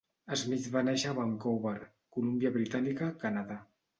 Smith va néixer a Vancouver, Columbia Britànica, Canadà.